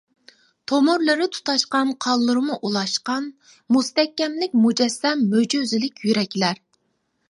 تومۇرلىرى تۇتاشقان قانلىرىمۇ ئۇلاشقان، مۇستەھكەملىك مۇجەسسەم مۆجىزىلىك يۈرەكلەر.